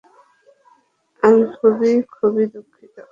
আমি খুবই, খুবই দুঃখিত।